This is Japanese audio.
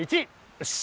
よし。